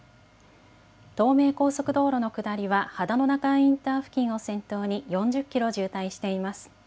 東名高速道路の下りは秦野中井インター付近を先頭に４０キロ渋滞しています。